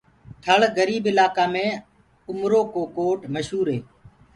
ٿݪ گريب الآڪآ مي اُمر ڪو ڪوٽ مشهوري